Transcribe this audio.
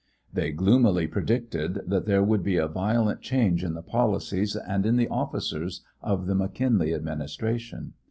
They gloomily predicted that there would be a violent change in the policies and in the officers of the McKinley administration.